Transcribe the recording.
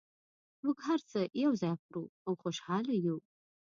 موږ هر څه یو ځای خورو او خوشحاله یو